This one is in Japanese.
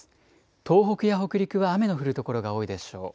東北や北陸は雨の降る所が多いでしょう。